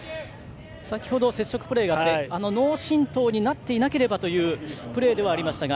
先ほど接触プレーがあって脳震とうになっていなければというプレーでしたが。